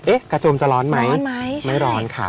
กระโจมจะร้อนไหมร้อนไหมไม่ร้อนค่ะ